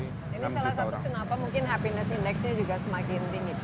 ini salah satu kenapa mungkin happiness indexnya juga semakin tinggi